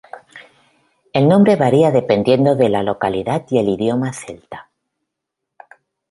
El nombre varía dependiendo de la localidad y el idioma celta.